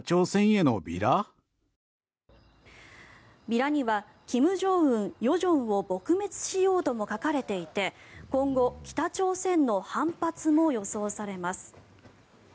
ビラには「金正恩・与正を撲滅しよう」とも書かれていて今後、北朝鮮の反発も予想されます。